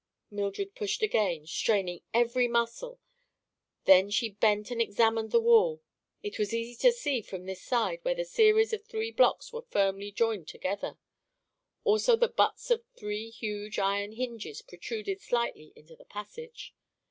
Mildred pushed again, straining every muscle. Then she bent and examined the wall. It was easy to see, from this side, where the series of three blocks were firmly joined together. Also the butts of three huge iron hinges protruded slightly into the passage.